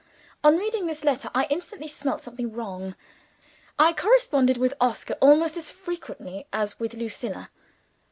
On reading this letter, I instantly smelt something wrong. I corresponded with Oscar almost as frequently as with Lucilla.